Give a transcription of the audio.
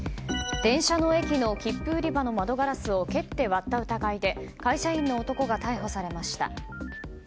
電車の駅の切符売り場の窓ガラスを蹴って割った疑いで会社員の男が逮捕されました。